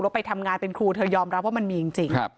ไปทำงานเป็นครูเธอยอมรับว่ามันมีจริง